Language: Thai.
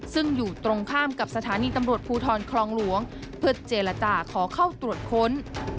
ซึ่งอยู่ตรงข้ามกับสถานีตำรวจภูทรคลองหลวงเพื่อเจรจาขอเข้าตรวจค้น